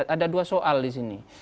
ada dua soal di sini